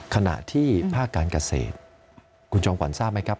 ขณะที่ภาคการเกษตรคุณจอมขวัญทราบไหมครับ